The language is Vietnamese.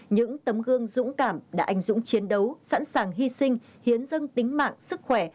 những tấm gương dũng cảm đã ảnh dũng chiến đấu sẵn sàng hy sinh hiến dân tính mạng sức khỏe